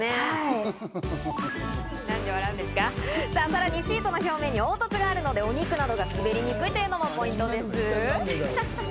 さらにシートの表面に凹凸があるので、お肉などが滑りにくいというのもポイントなんです。